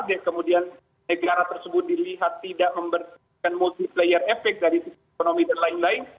dan kemudian negara tersebut dilihat tidak memberikan multi layer efek dari ekonomi dan lain lain